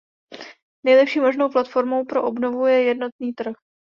Nejlepší možnou platformou pro obnovu je jednotný trh.